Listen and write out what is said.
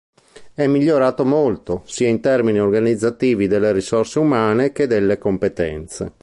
È migliorato molto, sia in termini organizzativi delle risorse umane che delle competenze.